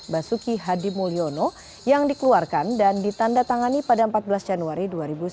basuki hadi mulyono yang dikeluarkan dan ditanda tangani pada empat belas januari dua ribu sembilan belas